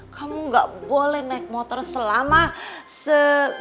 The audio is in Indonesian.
kamu gak boleh naik motor selama seki